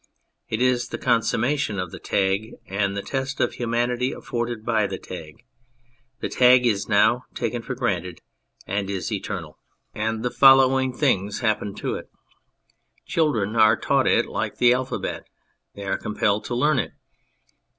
It is the consummation of the tag and the test of humanity afforded by the tag. The tag is now taken for granted and is eternal, and the follow 45 On Anything ing things happen to it : children are taught it like the alphabet ; they are compelled to learn it.